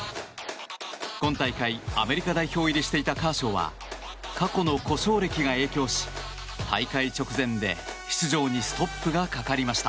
今大会アメリカ代表入りしていたカーショーは過去の故障歴が影響し大会直前で出場にストップがかかりました。